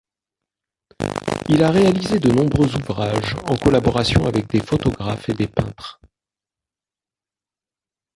Il a réalisé de nombreux ouvrages en collaboration avec des photographes et des peintres.